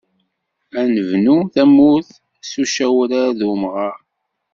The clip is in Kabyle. Ad nebnu tamurt, s ucawrar d umɣaṛ.